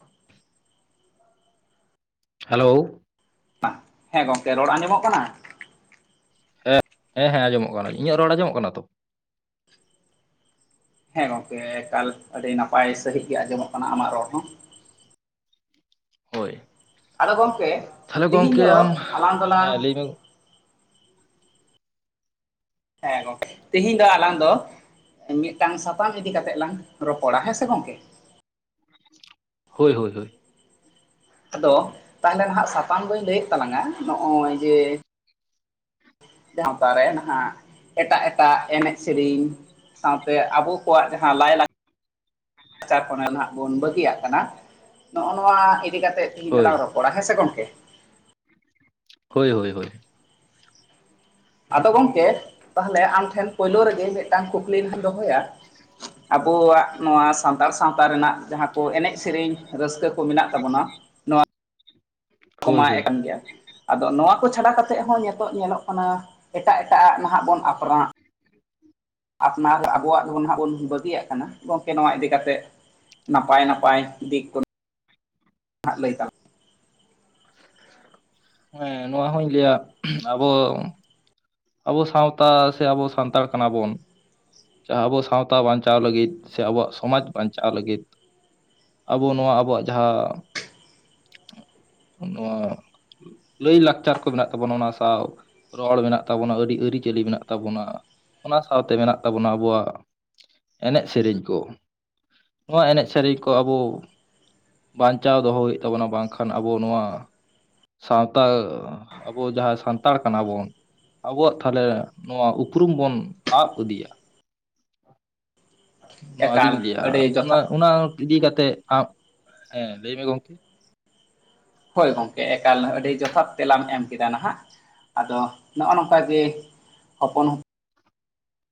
[inaudible] Hello ᱵᱟᱝ ᱦᱮᱸ ᱜᱚᱢᱠᱮ ᱨᱚᱲ ᱟᱸᱡᱚᱢᱚᱜ ᱠᱟᱱᱟ᱾ ᱦᱮᱸ ᱦᱮᱸ ᱟᱡᱚᱢᱚᱜ ᱠᱟᱱᱟ ᱤᱧᱟᱹᱜ ᱨᱚᱲ ᱟᱸᱡᱚᱢᱚᱜ ᱠᱟᱱᱟ ᱛᱚᱼᱼ ᱦᱮᱸ ᱜᱚᱝᱠᱮ ᱮᱠᱟᱞ ᱟᱹᱰᱤ ᱱᱟᱯᱟᱭ ᱥᱟᱹᱦᱤᱡ ᱜᱮ ᱟᱸᱡᱚᱢᱚᱜ ᱠᱟᱱᱟ ᱟᱢᱟᱜ ᱨᱚᱲ ᱦᱚᱸᱼᱼ ᱦᱳᱭ ᱟᱫᱚ ᱜᱚᱢᱠᱮ ᱛᱟᱦᱚᱞᱮ ᱛᱮᱦᱮᱧ ᱜᱚᱝᱠᱮ ᱫᱚ ᱟᱢ ᱟᱞᱟᱝ ᱫᱚᱞᱟᱝᱼᱼ ᱦᱮᱸ ᱞᱟᱹᱭ ᱢᱮ ᱦᱮᱸ ᱜᱚᱝᱠᱮ ᱛᱮᱦᱤᱧ ᱫᱚ ᱟᱞᱟᱝ ᱫᱚᱼᱼ ᱢᱤᱫᱴᱟᱝ ᱥᱟᱛᱟᱢ ᱤᱫᱤ ᱠᱟᱛᱮᱜ ᱞᱟᱝ ᱨᱚᱯᱚᱲᱟ ᱦᱮᱸ ᱥᱮ ᱜᱚᱝᱠᱮᱼᱼ ᱦᱳᱭ ᱦᱳᱭ ᱦᱳᱭ ᱟᱫᱚ ᱛᱟᱦᱮᱞᱮ ᱱᱟᱜ ᱥᱟᱛᱟᱢ ᱫᱚᱧ ᱞᱟᱭ ᱮᱜ ᱛᱟᱞᱟᱝ ᱱᱚᱭ ᱡᱮᱼᱼ ᱜᱟᱶᱛᱟ ᱨᱮᱱ ᱦᱟᱸᱜ ᱮᱴᱟᱜ ᱮᱴᱟᱜ ᱮᱱᱮᱡ ᱥᱮᱨᱮᱧ᱾ ᱥᱟᱶ ᱛᱮ ᱟᱵᱚ ᱠᱚᱣᱟᱜ ᱡᱟᱦᱟᱸ ᱞᱟᱭ [unintelligible] ᱱᱟᱪᱟᱨ ᱠᱷᱚᱱᱮᱱ ᱦᱟᱸᱜ ᱵᱚᱱ ᱵᱟᱹᱜᱤᱭᱟ ᱠᱟᱱᱟ ᱱᱚᱜ-ᱚᱭ ᱱᱚᱣᱟ ᱤᱫᱤ ᱠᱟᱛᱮ ᱦᱳᱭ [unintelligible] [unintelligible] ᱦᱮᱸᱥᱮ ᱜᱚᱝᱠᱮ ᱦᱳᱭ ᱦᱳᱭ ᱦᱳᱭ ᱟᱫᱚ ᱜᱚᱝᱠᱮ ᱛᱟᱦᱚᱞᱮ ᱟᱢ ᱴᱷᱮᱱ ᱯᱳᱭᱞᱳ ᱨᱮ ᱜᱮ ᱢᱤᱫᱴᱟᱝ ᱠᱩᱠᱞᱤ [unintelligible] ᱫᱚᱦᱚᱭᱟ ᱟᱵᱚᱣᱟᱜ ᱱᱚᱣᱟ ᱥᱟᱱᱛᱟᱲ ᱥᱟᱶᱛᱟ ᱨᱮᱱᱟᱜ ᱡᱟᱦᱟᱸ ᱠᱚ ᱮᱱᱮᱡ ᱥᱮᱨᱮᱧ ᱨᱟᱹᱥᱠᱟᱹ ᱠᱚ ᱢᱮᱱᱟᱜ ᱛᱟᱵᱚᱱᱟ᱾ ᱱᱚᱣᱟ ᱦᱳᱭ ᱠᱚᱢᱟ ᱦᱮᱸ ᱦᱳᱭ ᱠᱟᱱ ᱜᱮᱭᱟ ᱟᱫᱚ ᱱᱚᱣᱟ ᱠᱚ ᱪᱷᱟᱰᱟ ᱠᱟᱛᱮ ᱦᱚᱸ ᱱᱮᱛᱚᱜ ᱧᱮᱞᱚᱜ ᱠᱟᱱᱟ᱾ ᱮᱴᱟᱜ ᱮᱴᱟᱜ ᱦᱟᱸᱜ ᱱᱟᱦᱟᱜ ᱵᱚᱱ [unintelligible] ᱟᱯᱱᱟᱨ ᱟᱵᱚᱣᱟᱜ ᱫᱚ ᱵᱚᱱ ᱱᱟᱦ ᱵᱚᱱ ᱵᱟᱹᱜᱤᱭᱟ ᱠᱟᱱᱟ ᱜᱚᱝᱠᱮ ᱱᱚᱣᱟ ᱤᱫᱤ ᱠᱟᱛᱮᱼᱼ ᱱᱟᱯᱟᱭ ᱱᱟᱯᱟᱭ ᱫᱤᱠ ᱠᱚ [unintelligible] ᱞᱟᱹᱭ ᱛᱟᱞᱟᱝᱼᱼ [inaudible] ᱦᱮᱸ ᱱᱚᱣᱟ ᱦᱚᱧ ᱞᱟᱹᱭᱟ ᱟᱵᱚᱼᱼ ᱟᱵᱚ ᱥᱟᱶᱛᱟᱻ ᱥᱮ ᱟᱵᱚ ᱥᱟᱱᱛᱟᱲ ᱠᱟᱱᱟ ᱵᱚᱱᱼᱼ ᱡᱟᱦᱟᱸ ᱟᱵᱚ ᱥᱟᱶᱛᱟ ᱵᱟᱧᱪᱟᱣ ᱞᱟᱹᱜᱤᱫ ᱥᱮ ᱟᱵᱚᱣᱟᱜ ᱥᱚᱢᱟᱡᱽ ᱵᱟᱧᱪᱟᱣ ᱞᱟᱹᱜᱤᱫᱼᱼ ᱟᱵᱚ ᱱᱚᱣᱟ ᱟᱵᱚᱣᱟᱜ ᱡᱟᱦᱟᱸᱼᱼ ᱱᱚᱣᱟ ᱞᱟᱹᱭᱼᱞᱟᱠᱪᱟᱨ ᱠᱚ ᱢᱮᱱᱟᱜ ᱛᱟᱵᱚᱱᱟ ᱚᱱᱟ ᱥᱟᱶ ᱨᱚᱲ ᱢᱮᱱᱟᱜ ᱛᱟᱵᱚᱱᱟ ᱟᱹᱰᱤ ᱟᱹᱨᱤ ᱪᱟᱹᱞᱤ ᱢᱮᱱᱟᱜ ᱛᱟᱵᱚᱱᱟ ᱚᱱᱟ ᱥᱟᱶ ᱛᱮ ᱢᱮᱱᱟᱜ ᱛᱟᱵᱚᱱᱟ ᱟᱵᱚᱣᱟᱜᱼᱼ ᱮᱱᱮᱡ ᱥᱮᱨᱮᱧ ᱠᱚ ᱱᱚᱣᱟ ᱮᱱᱮᱡ ᱥᱮᱨᱮᱧ ᱠᱚ ᱟᱵᱚ ᱵᱟᱧᱪᱟᱣ ᱫᱚᱦᱚ ᱦᱩᱭᱩᱜ ᱛᱟᱵᱚᱱᱟ ᱵᱟᱝ ᱠᱷᱟᱱ ᱟᱵᱚ ᱱᱚᱣᱟᱼᱼ ᱥᱟᱶᱛᱟ ᱟᱵᱚ ᱡᱟᱦᱟᱸ ᱥᱟᱱᱛᱟᱲ ᱠᱟᱱᱟ ᱵᱚᱱ ᱟᱵᱚᱣᱟᱜ ᱛᱟᱦᱚᱞᱮ ᱱᱚᱣᱟ ᱩᱯᱨᱩᱢ ᱵᱚᱱ ᱥᱟᱵ ᱤᱫᱤᱭᱟ ᱢᱮ᱾ ᱱᱚᱣᱟ ᱮᱠᱟᱞ ᱜᱤᱧ ᱞᱟᱹᱭᱟ ᱟᱹᱰᱤ ᱚᱱᱟ ᱡᱚᱛᱷᱟᱛ ᱚᱱᱟᱼᱼ ᱤᱫᱤ ᱠᱟᱛᱮ [unintelligible] ᱦᱮᱸ ᱞᱟᱹᱭ ᱢᱮ ᱜᱚᱝᱠᱮ ᱦᱳᱭ ᱜᱚᱝᱠᱮ ᱮᱠᱟᱞ ᱟᱹᱰᱤ ᱡᱚᱛᱷᱟᱛ ᱛᱮᱞᱟᱢ ᱮᱢ ᱠᱮᱫᱟ ᱱᱟᱦᱟᱜ ᱟᱫᱚ ᱱᱚᱜᱼᱚ ᱱᱚᱝᱠᱟ ᱜᱮᱼᱼ ᱦᱚᱯᱚᱱ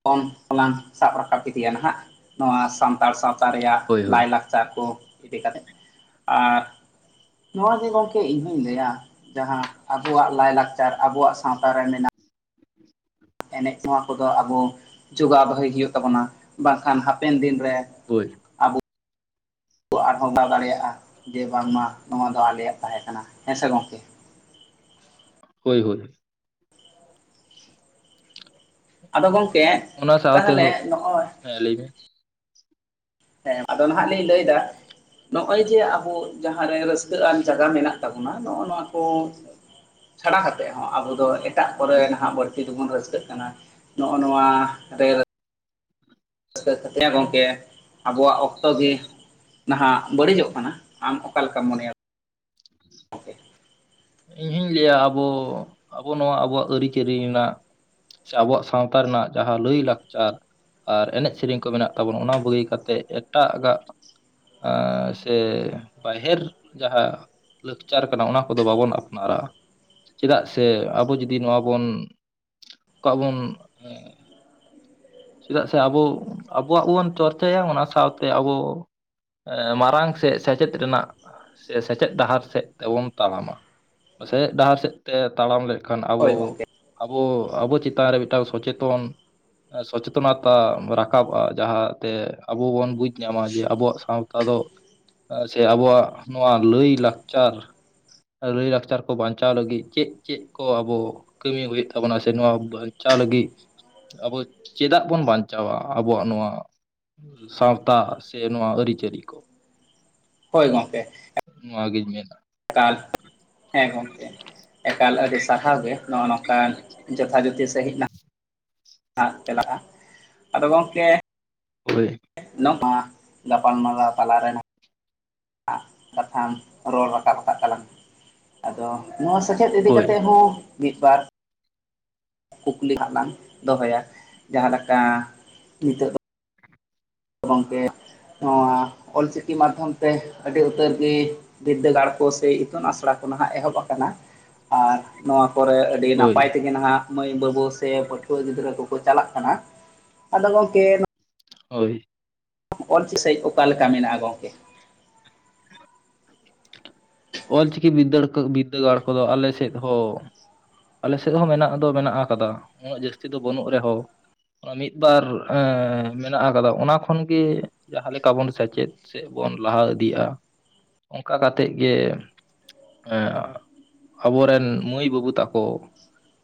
ᱠᱚᱱ ᱦᱚᱞᱟᱱ ᱥᱟᱵ ᱨᱟᱠᱟᱵ ᱤᱫᱤᱭᱟ ᱱᱟᱦᱟᱜ ᱱᱚᱣᱟ [unintelligible] ᱥᱟᱱᱛᱟᱲ ᱥᱟᱶᱛᱟ ᱨᱮᱭᱟᱜ ᱦᱳᱭ ᱦᱳᱭ ᱞᱟᱭᱼᱞᱟᱠᱪᱟᱨ ᱠᱚ ᱤᱫᱤ ᱠᱟᱛᱮ ᱟᱨ ᱱᱚᱣᱟ ᱡᱮ ᱜᱚᱝᱠᱮ ᱤᱧ ᱦᱚᱧ ᱞᱟᱹᱭᱟ᱾ ᱡᱟᱦᱟᱸ ᱟᱵᱚᱣᱟᱜ ᱞᱟᱭ ᱞᱟᱠᱪᱟᱨ ᱟᱵᱚᱣᱟᱜ ᱥᱟᱶᱛᱟ ᱨᱮ ᱢᱮᱱᱟᱜ-ᱟ ᱮᱱᱮᱡ ᱱᱚᱣᱟ ᱠᱚ ᱫᱚ ᱟᱵᱚ ᱡᱚᱜᱟᱣ ᱫᱚᱦᱚᱭ ᱦᱩᱭᱩᱜ ᱛᱟᱵᱚᱱᱟ ᱵᱟᱝ ᱠᱷᱟᱱ ᱦᱟᱯᱮᱱ ᱫᱤᱱᱼᱼ ᱨᱮ ᱦᱳᱭ ᱟᱵᱚᱼᱼ ᱟᱵᱚ ᱟᱨ ᱦᱚᱸ ᱫᱚᱦᱚ ᱫᱟᱲᱮᱭᱟᱜᱼᱟ, ᱡᱮ ᱵᱟᱝ ᱢᱟ ᱱᱚᱣᱟ ᱫᱚ ᱟᱞᱮᱭᱟᱜ ᱛᱟᱦᱮ ᱠᱟᱱᱟ ᱦᱮ ᱥᱮ ᱜᱚᱢᱠᱮ᱾ ᱦᱳᱭ ᱦᱳᱭ᱾ ᱟᱫᱚ ᱜᱚᱢᱠᱮ ᱚᱱᱟ ᱥᱟᱣᱛᱮ ᱛᱟᱦᱚᱞᱮ ᱦᱮᱸ ᱱᱚᱜᱼᱚᱭ ᱞᱟᱹᱭ ᱢᱮ ᱦᱮᱸ ᱟᱫᱚ ᱱᱟᱦᱟᱜ ᱞᱤᱧ ᱞᱟᱹᱭ ᱮᱫᱟ ᱱᱚᱜ ᱡᱮ ᱟᱵᱚ ᱡᱟᱦᱟᱸ ᱨᱮ ᱨᱟᱹᱥᱠᱟᱹ ᱟᱱ ᱡᱟᱭᱜᱟ ᱢᱮᱱᱟᱜ ᱛᱟᱵᱚᱱᱟ, ᱱᱚᱜᱚ ᱱᱚᱣᱟ ᱠᱚ ᱪᱷᱟᱲᱟ ᱠᱟᱛᱮᱫ ᱦᱚᱸ, ᱟᱵᱚ ᱫᱚ ᱮᱴᱟᱜ ᱠᱚᱨᱮ ᱱᱟᱦᱟᱜ ᱵᱟᱹᱲᱛᱤ ᱫᱚᱵᱚᱱ ᱨᱟᱹᱥᱠᱟᱹᱜ ᱠᱟᱱᱟ᱾ ᱱᱚᱜᱼᱚᱭ ᱱᱚᱣᱟ ᱨᱮ ᱨᱟᱹᱥᱠᱟᱹ ᱠᱟᱛᱮ ᱦᱮᱸ ᱜᱚᱢᱠᱮ ᱟᱵᱚᱣᱟᱜ ᱚᱠᱛᱚ ᱜᱮ ᱱᱟᱦᱟᱜ ᱵᱟᱹᱲᱤᱡᱚᱜ ᱠᱟᱱᱟ ᱟᱢ ᱚᱠᱟ ᱞᱮᱠᱟᱢ ᱢᱚᱱᱮᱭᱼᱟ? ᱟᱯᱮ ᱤᱧ ᱦᱚᱧ ᱞᱟᱹᱭᱟ ᱟᱵᱚ, ᱟᱵᱚ ᱱᱚᱣᱟ ᱟᱵᱚᱣᱟᱜ ᱟᱹᱨᱤᱪᱟᱹᱞᱤ ᱨᱮᱱᱟᱜ ᱥᱮ ᱟᱵᱚᱣᱟᱜ ᱥᱟᱶᱛᱟ ᱨᱮᱱᱟᱜ ᱡᱟᱦᱟᱸ ᱞᱟᱹᱭᱼᱞᱟᱠᱪᱟᱨ ᱟᱨ ᱮᱱᱮᱡ ᱥᱮᱨᱮᱧ ᱠᱚ ᱢᱮᱱᱟᱜ ᱛᱟᱵᱚᱱ, ᱚᱱᱟ ᱵᱟᱹᱜᱤ ᱠᱟᱛᱮ ᱮᱴᱟᱜᱟᱜ ᱟᱻᱥᱮ ᱵᱟᱭᱦᱮᱨ ᱡᱟᱦᱟᱸ ᱞᱮᱠᱪᱟᱨ ᱠᱟᱱᱟ, ᱚᱱᱟ ᱠᱚᱫᱚ ᱵᱟᱵᱚᱱ ᱟᱯᱚᱱᱟᱨᱟ ᱪᱮᱫᱟᱜ ᱥᱮ ᱟᱵᱚ ᱡᱩᱫᱤ ᱱᱚᱣᱟ ᱵᱚᱱ ᱚᱠᱟᱵᱩᱱ ᱪᱮᱫᱟᱜ ᱥᱮ ᱟᱵᱚ ᱟᱵᱚᱣᱟᱜ ᱵᱚᱱ ᱪᱚᱨᱪᱟᱭᱟ᱿ ᱚᱱᱟ ᱥᱟᱶᱛᱮ ᱟᱵᱚ ᱢᱟᱨᱟᱝ ᱥᱮ ᱥᱮᱪᱮᱫ ᱨᱮᱱᱟᱜ ᱥᱮ ᱥᱮᱪᱮᱫ ᱰᱟᱦᱟᱨ ᱥᱮᱫ ᱛᱮᱵᱚᱱ ᱛᱟᱲᱟᱢᱟ᱾ ᱯᱟᱥᱮᱡ ᱰᱟᱦᱟᱨ ᱥᱮᱫ ᱛᱮ ᱛᱟᱲᱟᱢ ᱞᱮ ᱮᱠᱷᱟᱱ ᱟᱵᱚ ᱦᱳᱭ ᱜᱚᱢᱠᱮ ᱟᱵᱚ ᱟᱵᱚ ᱪᱮᱛᱟᱱ ᱨᱮ ᱢᱤᱫᱴᱟᱝ ᱥᱚᱪᱮᱛᱚᱱ ᱥᱚᱪᱮᱛᱚᱱᱚᱛᱟ ᱨᱟᱠᱟᱵᱼᱟ, ᱡᱟᱦᱟᱸᱛᱮ ᱟᱵᱚ ᱵᱚᱱ ᱵᱩᱡᱽ ᱧᱟᱢᱟ ᱡᱮ ᱟᱵᱚᱣᱟᱜ ᱥᱟᱶᱛᱟ ᱫᱚ ᱥᱮ ᱟᱵᱚᱣᱟᱜ ᱱᱚᱣᱟ ᱞᱟᱹᱭ- ᱞᱟᱠᱪᱟᱨ ᱞᱟᱹᱭ ᱞᱟᱠᱪᱟᱨ ᱠᱚ ᱵᱟᱧᱪᱟᱣ ᱞᱟᱹᱜᱤᱫ ᱪᱮᱫ ᱪᱮᱫ ᱠᱚ ᱟᱵᱚ ᱠᱟᱹᱢᱤ ᱦᱩᱭᱩᱜ ᱛᱟᱵᱚᱱᱟ ᱥᱮ ᱱᱚᱣᱟ ᱵᱟᱧᱪᱟᱣ ᱞᱟᱹᱜᱤᱫ ᱟᱵᱚ ᱪᱮᱫᱟᱜ ᱵᱚᱱ ᱵᱟᱧᱪᱟᱣᱟ? ᱟᱵᱚᱣᱟᱜ ᱱᱚᱣᱟ ᱥᱟᱶᱛᱟ ᱥᱮ ᱱᱚᱣᱟ ᱟᱹᱨᱤ-ᱪᱟᱹᱞᱤ ᱠᱚ᱾ ᱦᱳᱭ ᱜᱚᱢᱠᱮ᱾ ᱱᱚᱣᱟ ᱜᱤᱧ ᱢᱮᱱᱟ᱾ ᱮᱠᱟᱞ ᱦᱮᱸ ᱜᱚᱢᱠᱮ᱾ ᱮᱠᱟᱞ ᱟᱹᱰᱤ ᱥᱟᱨᱦᱟᱣ ᱜᱮ ᱱᱚᱜᱼᱚᱭ ᱱᱚᱝᱠᱟᱱ ᱡᱚᱛᱷᱟ ᱡᱩᱛᱤᱥ ᱥᱟᱺᱦᱤᱡ ᱪᱟᱞᱟᱜᱼᱟ, ᱟᱫᱚ ᱜᱚᱢᱠᱮ ᱦᱳᱭ᱾ ᱱᱚᱣᱟ ᱜᱟᱯᱟᱞᱢᱟᱨᱟᱣ ᱛᱟᱞᱟᱨ ᱨᱮᱱᱟᱜ ᱠᱟᱛᱷᱟᱢ ᱨᱚᱲ ᱨᱟᱠᱟᱵ ᱟᱠᱟᱫ ᱛᱟᱞᱟᱝ, ᱟᱫᱚ ᱱᱚᱣᱟ ᱥᱮᱪᱮᱫ ᱤᱫᱤ ᱦᱳᱭ ᱠᱟᱛᱮᱫ ᱦᱚᱸ ᱢᱤᱫ-ᱵᱟᱨ ᱠᱩᱠᱞᱤ ᱦᱟᱸᱜ ᱞᱟᱝ ᱫᱚᱦᱚᱭᱟ᱾ ᱡᱟᱦᱟᱸ ᱞᱮᱠᱟ ᱱᱤᱛᱚᱜ ᱫᱚ ᱜᱚᱝᱠᱮ ᱱᱚᱣᱟ ᱚᱞᱪᱤᱠᱤ ᱢᱟᱫᱽᱫᱷᱚᱢ ᱛᱮ ᱟᱹᱰᱤ ᱩᱛᱟᱹᱨ ᱜᱮ ᱵᱤᱫᱽᱫᱟᱹᱜᱟᱲ ᱠᱚ ᱥᱮ ᱤᱛᱩᱱ ᱟᱥᱲᱟ ᱠᱚ ᱱᱟᱦᱟᱜ ᱮᱦᱚᱵ ᱟᱠᱟᱱᱟ ᱟᱨ ᱱᱚᱣᱟ ᱠᱚᱨᱮ ᱟᱹᱰᱤ ᱦᱳᱭ ᱱᱟᱯᱟᱭ ᱛᱮᱜᱮ ᱱᱟᱦᱟᱜ ᱢᱟᱹᱭ ᱵᱟᱹᱵᱩ ᱥᱮ ᱯᱟᱹᱴᱷᱩᱣᱟᱹ ᱜᱤᱫᱽᱨᱟᱹ ᱠᱚᱠᱚ ᱪᱟᱞᱟᱜ ᱠᱟᱱᱟ᱾ ᱟᱫᱚ ᱜᱚᱢᱠᱮ ᱦᱳᱭ᱾ ᱚᱞ [unintelligible] ᱥᱟᱦᱤᱡ ᱚᱠᱟᱞ ᱞᱮᱠᱟ ᱢᱮᱱᱟᱜᱼᱟ ᱜᱚᱢᱠᱮ? ᱚᱞᱪᱤᱠᱤ ᱵᱤᱫᱽᱫᱟᱹ ᱵᱤᱫᱽᱫᱟᱹᱜᱟᱲ ᱠᱚᱫᱚ ᱟᱞᱮ ᱥᱮᱫ ᱦᱚᱸ ᱟᱞᱮ ᱥᱮᱫ ᱦᱚᱸ ᱢᱮᱱᱟᱜ ᱫᱚ ᱢᱮᱱᱟᱜ ᱟᱠᱟᱫᱟ, ᱩᱱᱟᱹᱜ ᱡᱟᱹᱥᱛᱤ ᱫᱚ ᱵᱟᱹᱱᱩᱜ ᱨᱮᱦᱚᱸ ᱚᱱᱟ ᱢᱤᱫ ᱵᱟᱨ ᱢᱮᱱᱟᱜ ᱟᱠᱟᱫᱟ, ᱚᱱᱟ ᱠᱷᱚᱱ ᱜᱮ ᱡᱟᱦᱟᱸ ᱞᱮᱠᱟ ᱵᱚᱱ ᱥᱮᱪᱮᱫ ᱥᱮᱫ ᱵᱚᱱ ᱞᱟᱦᱟ ᱤᱫᱤᱜᱼᱟ᱾ ᱚᱱᱠᱟ ᱠᱟᱛᱮᱫ ᱜᱮ ᱮ ᱟᱵᱚᱨᱮᱱ ᱢᱟᱹᱭ -ᱵᱟᱹᱵᱩ ᱛᱟᱠᱚ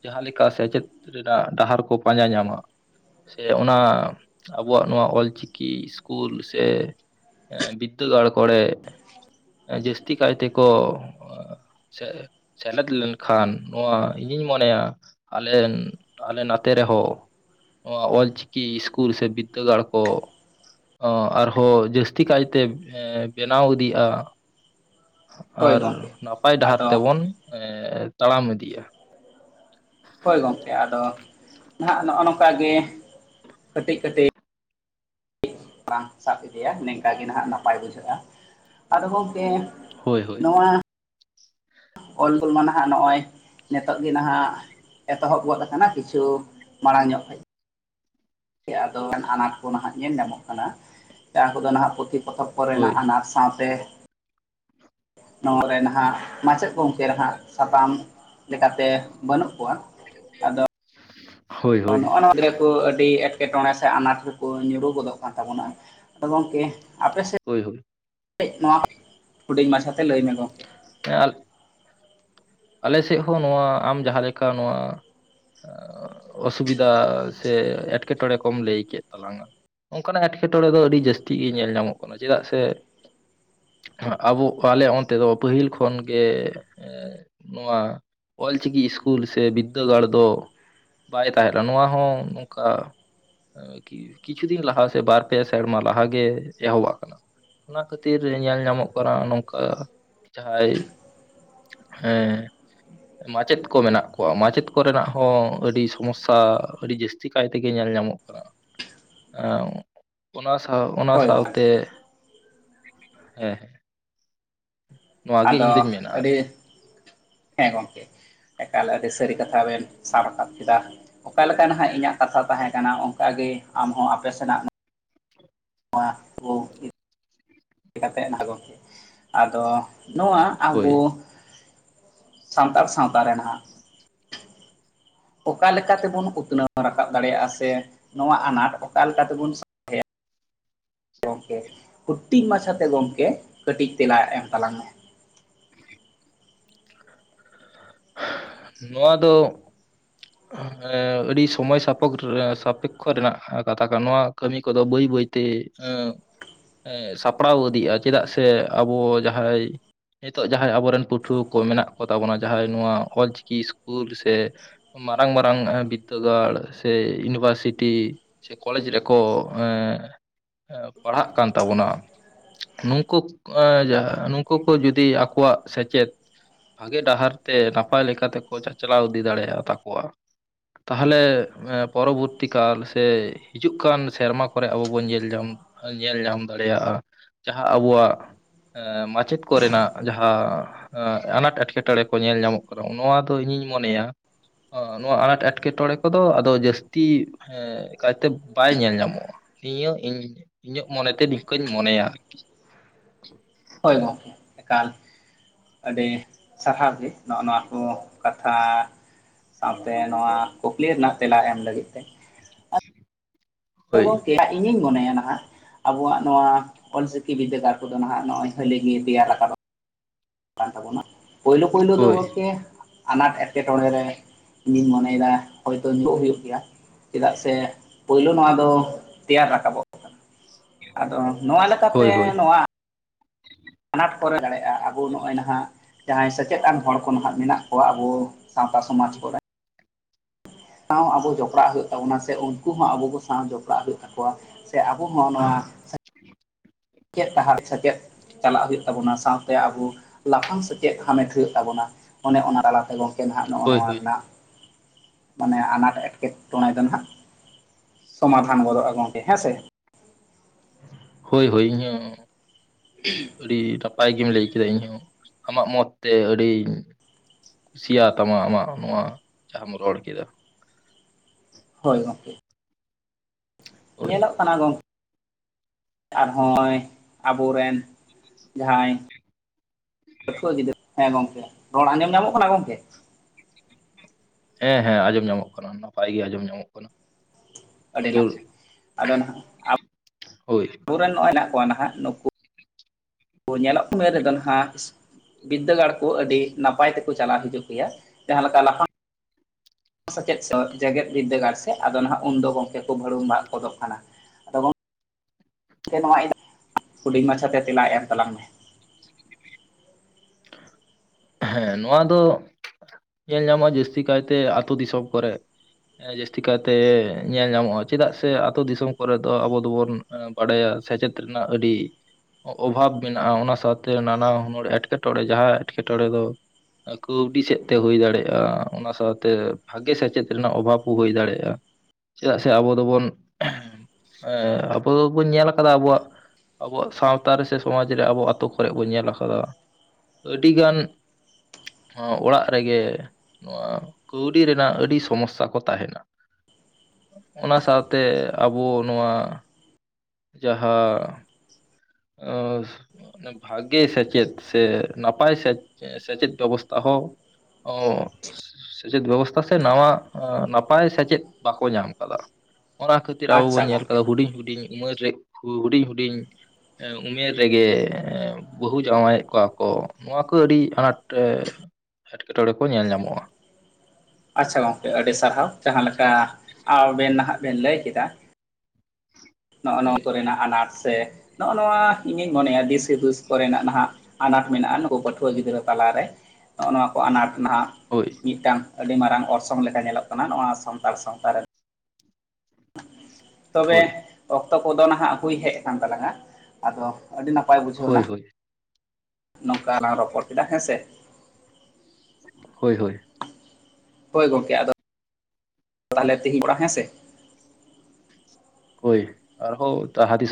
ᱡᱟᱦᱟᱸ ᱞᱮᱠᱟ ᱥᱮᱪᱮᱫ ᱨᱮᱱᱟᱜ ᱰᱟᱦᱟᱨ ᱠᱚ ᱯᱟᱸᱡᱟ ᱧᱟᱢᱟ᱾ ᱥᱮ ᱚᱱᱟ ᱟᱵᱚᱣᱟᱜ ᱱᱚᱣᱟ ᱚᱞᱪᱤᱠᱤ ᱤᱥᱠᱩᱞ ᱥᱮ ᱵᱤᱫᱽᱫᱟᱹᱜᱟᱲ ᱠᱚᱲᱮ, ᱡᱟᱹᱥᱛᱤ ᱠᱟᱭ ᱛᱮᱠᱚ ᱥᱮᱞᱮᱫ ᱞᱮᱱᱠᱷᱟᱱ ᱱᱚᱣᱟ ᱤᱧᱤᱧ ᱢᱚᱱᱮᱭᱟ ᱟᱞᱮᱱ ᱟᱞᱮ ᱱᱚᱛᱮ ᱨᱮᱦᱚᱸ ᱱᱚᱣᱟ ᱚᱞᱪᱤᱠᱤ ᱤᱥᱠᱩᱞ ᱥᱮ ᱵᱤᱫᱽᱫᱟᱹᱜᱟᱲ ᱠᱚ ᱾ ᱟᱨᱦᱚᱸ ᱡᱟᱹᱥᱛᱤ ᱠᱟᱭᱛᱮ ᱵᱮᱱᱟᱣ ᱤᱫᱤᱜᱼᱟ ᱾ ᱦᱳᱭ ᱟᱨ ᱜᱚᱢᱠᱮ ᱱᱟᱯᱟᱭ ᱰᱟᱦᱟᱨ ᱟᱫᱚ ᱛᱮᱵᱚᱱ ᱛᱟᱲᱟᱢ ᱤᱫᱤᱜᱼᱟ ᱾ ᱦᱚᱭ ᱜᱚᱢᱠᱮ ᱟᱫᱚ ᱱᱟᱦᱟᱜ ᱱᱚᱜᱼᱚ ᱱᱚᱝᱠᱟ ᱜᱮ ᱠᱟᱹᱴᱤᱡ ᱠᱟᱹᱴᱤᱡ ᱵᱟᱝ ᱥᱟᱵ ᱤᱫᱤᱭᱟ ᱱᱮᱝᱠᱟ ᱱᱟᱦᱟᱜ ᱱᱟᱯᱟᱭ ᱵᱩᱡᱷᱟᱹᱜᱼᱟ ᱾ ᱟᱫᱚ ᱜᱚᱢᱠᱮ ᱦᱚᱭ ᱦᱚᱭ ᱾ ᱱᱚᱣᱟ ᱚᱞ ᱜᱚᱞᱢᱟ ᱱᱟᱦᱟᱜ ᱱᱚᱜᱼᱚᱭ ᱱᱤᱛᱚᱜ ᱜᱮ ᱱᱟᱦᱟᱜ ᱮᱛᱚᱦᱚᱵ ᱜᱚᱫ ᱟᱠᱟᱱᱟ ᱠᱤᱪᱷᱩ, ᱢᱟᱲᱟᱝ ᱧᱚᱜ ᱠᱷᱚᱡ ᱾ ᱟᱫᱚ ᱟᱱᱟᱴ ᱠᱚ ᱱᱟᱦᱟᱜ ᱧᱮᱞ ᱧᱟᱢᱚᱜ ᱠᱟᱱᱟ ᱾ ᱡᱟᱦᱟᱸ ᱠᱚᱫᱚ ᱱᱟᱦᱟᱜ ᱯᱩᱛᱷᱤ ᱯᱚᱛᱚᱵ ᱦᱳᱭ ᱠᱚᱨᱮᱱᱟᱜ ᱟᱱᱟᱴ ᱥᱟᱶᱛᱮ ᱱᱚᱨᱮ ᱱᱟᱦᱟᱜ ᱢᱟᱪᱮᱫ ᱜᱚᱝᱠᱮ ᱱᱟᱦᱟᱜ ᱥᱟᱛᱟᱢ ᱞᱮᱠᱟᱛᱮ ᱵᱟᱹᱱᱩᱜ ᱠᱚᱣᱟ ᱾ ᱟᱫᱚ ᱦᱳᱭ ᱦᱳᱭ [unintelligible] ᱟᱹᱰᱤ ᱮᱴᱠᱮᱴᱚᱬᱮ ᱥᱮ ᱟᱱᱟᱴ ᱨᱮᱠᱚ ᱧᱩᱨᱩ ᱜᱚᱫᱚᱜ ᱠᱟᱱ ᱛᱟᱵᱚᱱᱟ ᱾ ᱟᱫᱚ ᱜᱚᱢᱠᱮ ᱟᱯᱮ ᱥᱮᱫ ᱦᱚᱭ ᱦᱚᱭ ᱾ ᱱᱚᱣᱟ ᱦᱩᱰᱤᱧ ᱢᱟᱪᱷᱟᱛᱮ ᱞᱟᱹᱭ ᱢᱮ ᱜᱚᱢᱠᱮ ᱾ [unintelligible] ᱟᱞᱮ ᱥᱮᱫ ᱦᱚᱸ ᱱᱚᱣᱟ ᱟᱢ ᱡᱟᱦᱟᱸ ᱞᱮᱠᱟ ᱱᱚᱣᱟ ᱚᱥᱤᱵᱤᱫᱟ ᱥᱮ ᱮᱴᱠᱮᱴᱚᱬᱮ ᱠᱚᱢ ᱞᱟᱹᱭ ᱠᱮᱫ ᱛᱟᱞᱟᱝᱟ, ᱚᱱᱠᱟᱱᱟᱜ ᱮᱴᱠᱮᱴᱚᱬᱮ ᱫᱚ ᱟᱹᱰᱤ ᱡᱟᱹᱥᱛᱤ ᱜᱮ ᱧᱮᱞ ᱧᱟᱢᱚᱜ ᱠᱟᱱᱟ ᱾ ᱪᱮᱫᱟᱜ ᱥᱮ ᱟᱵᱚ ᱟᱞᱮ ᱚᱱᱛᱮ ᱫᱚ ᱯᱟᱹᱦᱤᱞ ᱠᱷᱚᱱᱜᱮ ᱱᱚᱣᱟ ᱚᱞᱪᱤᱠᱤ ᱤᱥᱠᱩᱞ ᱥᱮ ᱵᱤᱫᱽᱫᱟᱹᱜᱟᱲ ᱫᱚ ᱵᱟᱭ [unintelligible] ᱱᱚᱣᱟ ᱦᱚᱸ ᱱᱚᱝᱠᱟ, ᱠᱤᱪᱷᱩ ᱫᱤᱱ ᱞᱟᱦᱟ ᱥᱮ ᱵᱟᱨ ᱯᱮ ᱥᱮᱨᱢᱟ ᱞᱟᱦᱟ ᱜᱮ ᱮᱦᱚᱵᱟᱜ ᱠᱟᱱᱟ ᱾ ᱚᱱᱟ ᱠᱷᱟᱹᱛᱤᱨ ᱧᱮᱞ ᱧᱟᱢᱚᱜ ᱠᱟᱱᱟ ᱱᱚᱝᱠᱟ, ᱡᱟᱦᱟᱸᱭ ᱦᱮᱸ ᱢᱟᱪᱮᱫ ᱠᱚ ᱢᱮᱱᱟᱜ ᱠᱚᱣᱟ ᱢᱟᱪᱮᱫ ᱠᱚᱨᱮᱱᱟᱜ ᱦᱚᱸ ᱟᱹᱰᱤ ᱥᱚᱢᱚᱥᱥᱟ ᱟᱹᱰᱤ ᱡᱟᱹᱥᱛᱤ ᱠᱟᱭ ᱛᱮᱜᱮ ᱧᱮᱞ ᱧᱟᱢᱚᱜ ᱠᱟᱱᱟ ᱾ ᱚᱱᱟ ᱚᱱᱟ ᱦᱳᱭ ᱜᱚᱢᱠᱮ ᱥᱟᱶᱛᱮ, ᱦᱮᱸ ᱦᱮᱸ ᱱᱚᱣᱟ ᱜᱮ ᱟᱫᱚ ᱤᱧ ᱫᱩᱧ ᱢᱮᱱᱟ ᱟᱹᱰᱤ ᱟᱨᱠᱤ ᱦᱮᱸ ᱜᱚᱢᱠᱮ ᱮᱠᱟᱞᱮ ᱟᱹᱰᱤ ᱥᱟᱹᱨᱤ ᱠᱟᱛᱷᱟ ᱵᱮᱱ ᱥᱟᱵ ᱨᱟᱠᱟᱵ ᱠᱮᱫᱟ ᱚᱠᱟ ᱞᱮᱠᱟ ᱱᱟᱦᱟᱜ ᱤᱧᱟᱹᱜ ᱠᱟᱛᱷᱟ ᱛᱟᱦᱮᱸ ᱠᱟᱱᱟ, ᱚᱱᱠᱟᱜ ᱜᱮ ᱟᱢᱦᱚᱸ ᱟᱯᱮ ᱥᱮᱱᱟᱜ ᱚᱸ [unintelligible] ᱠᱟᱛᱮ ᱜᱮ ᱟᱫᱚ ᱱᱚᱣᱟ ᱟᱵᱚ ᱦᱳᱭ ᱥᱟᱱᱛᱟᱲ ᱥᱟᱶᱛᱟ ᱨᱮᱱᱟᱜ, ᱚᱠᱟᱮ ᱞᱮᱠᱟᱛᱮᱵᱚᱱ ᱩᱛᱱᱟᱹᱣ ᱨᱟᱠᱟᱵ ᱫᱟᱲᱮᱭᱟᱜᱼᱟ ᱥᱮ, ᱱᱚᱣᱟ ᱟᱱᱟᱴ ᱚᱠᱟᱞᱮᱠᱟᱛᱮᱵᱩᱱ ᱜᱚᱢᱠᱮ ᱦᱩᱴᱤ ᱢᱟᱪᱷᱟᱛᱮ ᱜᱚᱢᱠᱮ ᱠᱟᱹᱴᱤᱡ ᱛᱮᱞᱟ ᱮᱢ ᱛᱟᱞᱟᱝ ᱢᱮ ᱾ ᱱᱚᱣᱟ ᱫᱚ, [inaudible] ᱟᱹᱰᱤ ᱥᱚᱢᱚᱭ ᱥᱟᱯᱟ ᱥᱟᱯᱮᱠᱷᱚ ᱨᱮᱱᱟᱜ ᱠᱟᱛᱷᱟ ᱠᱟᱱᱟ, ᱱᱚᱣᱟ ᱠᱟᱹᱢᱤ ᱠᱚᱫᱚ ᱵᱟᱹᱭ ᱵᱟᱹᱭᱛᱮ ᱥᱟᱯᱲᱟᱣ ᱤᱫᱤᱜᱼᱟ ᱪᱮᱫᱟᱜ ᱥᱮ ᱟᱵᱚ ᱡᱟᱦᱟᱭ ᱱᱤᱛᱚᱜ ᱡᱟᱦᱟᱸᱭ ᱟᱵᱚᱨᱮᱱ ᱯᱟᱹᱴᱷᱩᱣᱟᱹ ᱠᱚ ᱢᱮᱱᱟᱜ ᱠᱚ ᱛᱟᱵᱚᱱᱟ ᱡᱟᱦᱟᱸᱭ ᱱᱚᱣᱟ ᱚᱞᱪᱤᱠᱤ ᱥᱠᱩᱞ ᱥᱮ ᱢᱟᱨᱟᱝ ᱢᱟᱨᱟᱝ ᱵᱤᱫᱽᱫᱟᱹᱜᱟᱲ ᱥᱮ, ᱤᱭᱩᱱᱤᱵᱷᱟᱨᱥᱤᱴᱤ ᱥᱮ ᱠᱚᱞᱮᱡᱽ ᱨᱮᱠᱚ, ᱮᱸ ᱯᱟᱲᱦᱟᱜ ᱠᱟᱱ ᱛᱟᱵᱚᱱᱟ ᱾ ᱱᱩᱠᱩ ᱱᱩᱠᱩ ᱠᱚ ᱡᱩᱫᱤ ᱟᱠᱚᱣᱟᱜ ᱥᱮᱪᱮᱫ ᱵᱷᱟᱜᱮ ᱰᱟᱦᱟᱨ ᱛᱮ ᱱᱟᱯᱟᱭ ᱞᱮᱠᱟᱛᱮᱠᱚ ᱪᱟᱪᱞᱟᱣ ᱤᱫᱤ ᱫᱟᱲᱮᱭᱟᱜ ᱛᱟᱠᱚᱣᱟ ᱾ ᱛᱟᱦᱚᱞᱮ ᱯᱚᱨᱚᱵᱚᱨᱛᱤ ᱠᱟᱞ ᱥᱮ ᱦᱤᱡᱩᱜ ᱠᱟᱱ ᱥᱮᱨᱢᱟ ᱠᱚᱨᱮ ᱟᱵᱚ ᱵᱚᱱ ᱧᱮᱞ ᱧᱟᱢ ᱧᱮᱞ ᱧᱟᱢ ᱫᱟᱲᱮᱭᱟᱜ-ᱟ᱾ ᱡᱟᱦᱟᱸ ᱟᱵᱚᱣᱟᱜ ᱢᱟᱪᱮᱫ ᱠᱚᱨᱮᱱᱟᱜ ᱡᱟᱦᱟᱸ ᱟᱸ ᱟᱱᱟᱴ ᱮᱴᱠᱮᱴᱚᱬᱮ᱾ ᱠᱚ ᱧᱮᱞ ᱧᱟᱢᱚᱜ ᱠᱟᱱᱟ᱾ ᱱᱚᱣᱟ ᱫᱚ ᱤᱧᱤᱧ ᱢᱚᱱᱮᱭᱟ ᱱᱚᱣᱟ ᱟᱱᱟᱴ ᱮᱴᱠᱮᱴᱚᱬᱮ ᱠᱚᱫᱚ ᱟᱫᱚ ᱡᱟᱹᱥᱛᱤ ᱦᱮᱸ ᱠᱟᱭᱛᱮ ᱵᱟᱭ ᱧᱮᱞ ᱧᱟᱢᱚᱜ-ᱟ᱾ ᱱᱤᱭᱟᱹ ᱤᱧ ᱤᱧᱟᱹᱜ ᱢᱚᱱᱮᱛᱮ ᱱᱤᱝᱠᱟᱹᱧ ᱢᱚᱱᱮᱭᱟ ᱟᱨᱠᱤ᱾ ᱦᱳᱭ ᱜᱚᱢᱠᱮ ᱮᱠᱟᱞ᱾ ᱟᱹᱰᱤ ᱥᱟᱨᱦᱟᱣ ᱜᱮ ᱱᱚᱜ-ᱚ ᱱᱚᱣᱟ ᱠᱚ ᱠᱟᱛᱷᱟ ᱥᱟᱶᱛᱮ ᱱᱚᱣᱟ ᱠᱩᱠᱞᱤ ᱨᱮᱱᱟᱜ ᱛᱮᱞᱟ ᱮᱢ ᱞᱟᱹᱜᱤᱫ ᱛᱮ᱾ ᱦᱳᱭ ᱜᱚᱢᱠᱮ ᱤᱧᱤᱧ ᱢᱚᱱᱮᱭᱟ ᱱᱟᱦᱟᱜ ᱟᱵᱚᱣᱟᱜ ᱱᱚᱣᱟ ᱚᱞᱪᱤᱠᱤ ᱵᱤᱫᱽᱫᱟᱹᱜᱟᱲ ᱠᱚᱫᱚ ᱱᱟᱦᱟᱜ ᱱᱚᱜ-ᱚᱭ ᱦᱟᱹᱞᱤ ᱜᱮ ᱛᱮᱭᱟᱨ ᱨᱟᱠᱟᱵ᱾ ᱠᱟᱱ ᱛᱟᱵᱚᱱᱟ᱾ ᱯᱳᱭᱞᱳ ᱯᱳᱭᱞᱳ ᱫᱚ ᱦᱳᱭ ᱜᱚᱝᱠᱮ ᱟᱱᱟᱴ ᱮᱴᱠᱮᱴᱚᱬᱮ ᱨᱮ ᱤᱧᱤᱧ ᱢᱚᱱᱮᱭᱮᱫᱟ ᱦᱳᱭᱛᱚ ᱧᱩᱨᱩᱜ ᱦᱩᱭᱩᱜ ᱜᱮᱭᱟ᱾ ᱪᱮᱫᱟᱜ ᱥᱮ ᱯᱳᱭᱞᱳ ᱱᱚᱣᱟ ᱫᱚ ᱛᱮᱭᱟᱨ ᱨᱟᱠᱟᱵᱚᱜ ᱟᱫᱚ ᱱᱚᱣᱟ ᱦᱳᱭ ᱞᱮᱠᱟᱛᱮ ᱦᱳᱭ ᱱᱚᱣᱟ ᱟᱱᱟᱴ ᱠᱚᱨᱮ ᱫᱟᱲᱮᱭᱟᱜ-ᱟ ᱟᱵᱚ ᱱᱚᱜ-ᱚᱭ ᱱᱟᱦᱟᱜ ᱡᱟᱦᱟᱸᱭ ᱥᱮᱪᱮᱫ ᱟᱱ ᱦᱚᱲ ᱠᱚ ᱱᱟᱦᱟᱜ ᱢᱮᱱᱟᱜ ᱠᱚᱣᱟ ᱟᱵᱚ ᱥᱟᱶᱛᱟ ᱥᱚᱢᱟᱡᱽ ᱠᱚᱨᱮ ᱥᱟᱶ ᱟᱵᱚ ᱡᱚᱯᱲᱟᱜ ᱦᱩᱭᱩᱜ ᱛᱟᱵᱚᱱᱟ ᱥᱮ ᱩᱱᱠᱩ ᱦᱚᱸ ᱟᱵᱚ ᱠᱚ ᱥᱟᱶ ᱡᱚᱯᱲᱟᱜ ᱦᱩᱭᱩᱜ ᱛᱟᱠᱚᱣᱟ ᱥᱮ ᱟᱵᱚ ᱦᱚᱸ ᱱᱚᱣᱟ [inaudible] ᱥᱮᱪᱮᱫ ᱰᱟᱦᱟᱨ ᱥᱮᱪᱮᱫ ᱪᱟᱞᱟᱜ ᱦᱩᱭᱩᱜ ᱛᱟᱵᱚᱱᱟ ᱥᱟᱶᱛᱮ ᱟᱵᱩ ᱞᱟᱯᱷᱟᱝ ᱥᱮᱪᱮᱫ ᱦᱟᱢᱮᱴ ᱦᱩᱭᱩᱜ ᱛᱟᱵᱚᱱᱟ ᱚᱱᱮ ᱚᱱᱟ ᱛᱟᱞᱟ ᱛᱮᱵᱚᱱ᱾ ᱮᱱᱦᱟᱜ ᱱᱚᱜ-ᱚ ᱦᱳᱭ ᱱᱚᱣᱟ ᱦᱳᱭ ᱨᱮᱱᱟᱜ᱾ ᱢᱟᱱᱮ ᱟᱱᱟᱴ ᱮᱴᱠᱮᱴᱚᱬᱮ ᱫᱚ ᱱᱟᱦᱟᱜ ᱥᱚᱢᱟᱫᱷᱟᱱ ᱜᱚᱫᱚᱜ-ᱟ ᱜᱚᱝᱠᱮ ᱦᱮᱸᱥᱮ᱾ ᱦᱳᱭ ᱦᱳᱭ ᱤᱧ ᱦᱚᱸ᱾ [inaudible] ᱟᱹᱰᱤ ᱱᱟᱯᱟᱭ ᱜᱮᱢ ᱞᱟᱹᱭ ᱠᱮᱫᱟ ᱤᱧᱦᱚᱸ ᱟᱢᱟᱜ ᱢᱚᱛ ᱛᱮ ᱟᱹᱰᱤᱧ᱾ ᱠᱩᱥᱤᱭᱟᱛᱟᱢᱟ ᱟᱢᱟᱜ ᱱᱚᱣᱟ ᱡᱟᱦᱟᱢ ᱨᱚᱲ ᱠᱮᱫᱟ᱾ ᱦᱳᱭ ᱜᱚᱝᱠᱮ᱾ ᱦᱳᱭ ᱧᱮᱞᱚᱜ ᱠᱟᱱᱟ ᱜᱚᱝ ᱟᱨ ᱦᱚᱸ-ᱚᱭ ᱟᱵᱚᱨᱮᱱ ᱡᱟᱸᱦᱟᱭ᱾ ᱯᱟᱹᱴᱷᱩᱣᱟᱹ ᱜᱤᱫᱽᱨᱟᱹ ᱦᱮᱸ ᱜᱚᱝᱠᱮ᱾ ᱨᱚᱲ ᱟᱸᱡᱚᱢ ᱧᱟᱢᱚᱜ ᱠᱟᱱᱟ ᱜᱚᱝᱠᱮ? ᱦᱮᱸ ᱦᱮᱸ ᱟᱸᱡᱚᱢ ᱧᱟᱢᱚᱜ ᱠᱟᱱᱟ ᱱᱟᱯᱟᱭ ᱜᱮ ᱟᱸᱡᱚᱢ ᱧᱟᱢᱚᱜ ᱠᱟᱱᱟ᱾ ᱟᱹᱰᱤ ᱟᱫᱚ ᱱᱟᱯᱟ ᱟᱫᱚ ᱱᱟᱦᱟᱜ ᱦᱳᱭ [inaudible] ᱟᱵᱚᱨᱮᱱ ᱱᱚᱜ-ᱚᱭ ᱱᱟ᱾ ᱟᱫᱚ ᱱᱟᱦᱟᱜ ᱱᱩᱠᱩ ᱧᱮᱞᱚᱜ ᱥᱚᱢᱚᱭ ᱨᱮᱫᱚ ᱱᱟᱦᱟᱜ᱾ ᱵᱤᱫᱽᱫᱟᱹᱜᱟᱲ ᱠᱚ ᱟᱹᱰᱤ ᱱᱟᱯᱟᱭ ᱛᱮᱠᱚ ᱪᱟᱞᱟᱜ ᱦᱤᱡᱩᱜ ᱜᱮᱭᱟ ᱡᱟᱦᱟᱸ ᱞᱮᱠᱟ ᱞᱟᱯᱷᱟᱝ᱾ ᱥᱮᱪᱮᱫ ᱥᱮ ᱡᱮᱜᱮᱫ ᱵᱤᱫᱽᱫᱟᱹᱜᱟᱲ ᱥᱮ ᱟᱫᱚ ᱱᱟᱦᱟᱜ ᱩᱱᱫᱚ ᱜᱚᱝᱠᱮ ᱠᱚ ᱵᱷᱟᱹᱲᱩᱢ ᱵᱷᱟᱜ ᱜᱚᱫᱚᱜ ᱠᱟᱱᱟ᱾ ᱟᱫᱚ [inaudible] ᱜᱚᱝᱠᱮ ᱱᱟᱦᱟᱜ [inaudible] ᱦᱩᱰᱤᱧ ᱢᱟᱪᱷᱟᱛᱮ ᱛᱮᱞᱟ ᱮᱢ ᱛᱟᱞᱟᱝ ᱢᱮ᱾ [inaudible] ᱦᱮᱸ ᱱᱚᱣᱟ ᱫᱚ᱾ ᱧᱮᱞ ᱧᱟᱢᱚᱜ-ᱟ ᱡᱟᱹᱥᱛᱤ ᱠᱟᱭᱛᱮ ᱟᱛᱳ ᱫᱤᱥᱚᱢ ᱠᱚᱨᱮ᱾ ᱡᱟᱹᱥᱛᱤ ᱠᱟᱭᱛᱮ ᱧᱮᱞ ᱧᱟᱢᱚᱜ-ᱟ ᱪᱮᱫᱟᱜ ᱥᱮ ᱟᱛᱳ ᱫᱤᱥᱚᱢ ᱠᱚᱨᱮ ᱫᱚ ᱟᱵᱚ ᱫᱚᱵᱚᱱ᱾ ᱵᱟᱰᱟᱭᱟ ᱥᱮᱪᱮᱫ ᱨᱮᱱᱟᱜ ᱟᱹᱰᱤ᱾ ᱚᱵᱷᱟᱵᱽ ᱢᱮᱱᱟᱜ-ᱟ ᱚᱱᱟ ᱥᱟᱶᱛᱮ ᱱᱟᱱᱟ ᱦᱩᱱᱟᱹᱨ ᱮᱴᱠᱮᱴᱚᱬᱮ ᱡᱟᱦᱟᱸ ᱮᱴᱠᱮᱴᱚᱬᱮ ᱫᱚ᱾ ᱠᱟᱹᱣᱰᱤ ᱥᱮᱫ᱾ ᱛᱮ ᱦᱩᱭ ᱫᱟᱲᱮᱭᱟᱜ-ᱟ ᱚᱱᱟ ᱥᱟᱶᱛᱮ ᱵᱷᱟᱜᱮ ᱥᱮᱪᱮᱫ ᱨᱮᱱᱟᱜ ᱚᱵᱷᱟᱵ ᱠᱩ ᱦᱩᱭ ᱫᱟᱲᱮᱭᱟᱜ-ᱟ᱾ ᱪᱮᱫᱟᱜ ᱥᱮ ᱟᱵᱚ ᱫᱚᱵᱚᱱ, ᱮᱸ ᱟᱵᱚ ᱫᱚᱵᱚᱱ ᱧᱮᱞ ᱟᱠᱟᱫᱟ ᱟᱵᱚᱣᱟᱜ᱾ ᱟᱵᱚᱣᱟᱜ ᱥᱟᱶᱛᱟ ᱨᱮᱥᱮ ᱥᱚᱢᱟᱡᱽ ᱨᱮ ᱟᱵᱚ ᱟᱛᱳ ᱠᱚᱨᱮ ᱵᱚ ᱧᱮᱞ ᱟᱠᱟᱫᱟ᱾ ᱟᱹᱰᱤ ᱜᱟᱱ ᱱᱚᱣᱟ ᱚᱲᱟᱜ᱾ ᱨᱮᱜᱮ ᱱᱚᱣᱟ ᱠᱟᱹᱣᱰᱤ ᱨᱮᱱᱟᱜ ᱟᱹᱰᱤ ᱥᱚᱢᱚᱥᱟ ᱠᱚ ᱛᱟᱦᱮᱱᱟ᱾ ᱚᱱᱟ ᱥᱟᱶᱛᱮ ᱟᱵᱚ ᱱᱚᱣᱟ᱾ ᱡᱟᱦᱟᱸ ᱟᱹᱥ ᱵᱷᱟᱜᱮ ᱥᱮᱪᱮᱫ ᱥᱮ ᱱᱟᱯᱟᱭ ᱥᱮᱪᱮᱫ ᱵᱮᱵᱚᱥᱛᱷᱟ ᱦᱚᱸ ᱚᱸᱻ ᱥᱮᱪᱮᱫ ᱵᱮᱵᱚᱥᱛᱟ ᱥᱮ ᱱᱟᱣᱟ ᱱᱟᱯᱟᱭ ᱥᱮᱪᱮᱫ ᱵᱟᱠᱚ ᱧᱟᱢ ᱠᱟᱫᱟ᱾ ᱚᱱᱟ ᱠᱷᱟᱹᱛᱤᱨ ᱟᱵᱚ ᱵᱚᱱ ᱟᱪᱪᱷᱟ ᱧᱮᱞ ᱜᱚᱢᱠᱮ ᱠᱟᱫᱟ ᱦᱩᱰᱤᱧ ᱦᱩᱰᱤᱧ ᱩᱢᱮᱨ ᱨᱮ ᱦᱩᱰᱤᱧ ᱦᱩᱰᱤᱧ ᱮ ᱩᱢᱮᱨ ᱨᱮᱜᱮ ᱵᱟᱹᱦᱩ ᱡᱟᱭᱟᱭᱮ ᱠᱚᱣᱟ ᱠᱚ ᱱᱚᱣᱟ ᱠᱚ ᱟᱹᱰᱤ ᱟᱱᱟᱴ ᱮᱴᱠᱮᱴᱚᱬᱮ ᱠᱚ ᱧᱮᱞ ᱧᱟᱢᱚᱜ-ᱟ᱾ ᱟᱪᱷᱟ ᱜᱚᱝᱠᱮ ᱟᱹᱰᱤ ᱥᱟᱨᱦᱟᱣ ᱡᱟᱦᱟᱸ ᱞᱮᱠᱟ ᱟᱵᱮᱱ ᱱᱟᱦᱟᱜ ᱵᱮᱱ ᱞᱟᱹᱭ ᱠᱮᱫᱟ᱾ ᱱᱚᱜ-ᱚ ᱱᱚᱣᱟ ᱦᱳᱭ ᱠᱚᱨᱮᱱᱟᱜ ᱟᱱᱟᱴ ᱥᱮ, ᱱᱚᱜ-ᱚ ᱱᱚᱣᱟ ᱤᱧᱤᱧ ᱢᱚᱱᱮᱭᱟ ᱫᱤᱥ ᱦᱩᱫᱤᱥ ᱠᱚᱨᱮᱱᱟᱜ ᱱᱟᱦᱟᱜ ᱟᱱᱟᱴ ᱢᱮᱱᱟᱜ-ᱟ ᱱᱩᱠᱩ ᱯᱟᱹᱴᱷᱩᱣᱟᱹ ᱜᱤᱫᱽᱨᱟᱹ ᱛᱟᱞᱟᱨᱮ᱾ ᱱᱚᱜ-ᱚ ᱱᱚᱣᱟ ᱠᱚ ᱟᱱᱟᱴ ᱱᱟᱦᱟᱜ ᱦᱳᱭ ᱢᱤᱫᱴᱟᱝ ᱟᱹᱰᱤ ᱢᱟᱨᱟᱝ ᱚᱨᱥᱚᱝ ᱞᱮᱠᱟ ᱧᱮᱞᱚᱜ ᱠᱟᱱᱟ ᱱᱚᱣᱟ ᱥᱟᱱᱛᱟᱲ ᱥᱟᱶᱛᱟ ᱨᱮ᱾ ᱛᱚᱵᱮ ᱦᱳᱭ ᱚᱠᱛᱚ ᱠᱚᱫᱚ ᱱᱟᱦᱟᱜ ᱦᱩᱭ ᱦᱮᱡ ᱟᱠᱟᱱ ᱛᱟᱞᱟᱝ-ᱟ ᱟᱫᱚ ᱟᱹᱰᱤ ᱱᱟᱯᱟᱭ ᱵᱩᱡᱷᱟᱹᱣᱱᱟ᱾ ᱦᱳᱭ ᱦᱳᱭ ᱱᱚᱝᱠᱟ ᱞᱟᱝ ᱨᱚᱯᱚᱲ ᱠᱮᱫᱟ ᱦᱮᱸᱥᱮ᱾ ᱦᱳᱭ ᱦᱳᱭ᱾ ᱦᱳᱭ ᱜᱚᱝᱠᱮ ᱟᱫᱚ ᱛᱟᱦᱚᱞᱮ ᱛᱤᱦᱤᱧ [unintelligible] ᱦᱮᱸᱥᱮ᱾ ᱦᱳᱭ ᱟᱨᱦᱚᱸ ᱡᱟᱦᱟ ᱛᱤᱥᱚᱜ᱾